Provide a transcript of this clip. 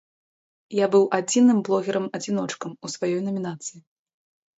Я быў адзіным блогерам-адзіночкам у сваёй намінацыі.